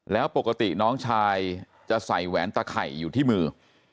แล้วปกติน้องชายจะใส่แหวนตะไข่อยู่ที่มือ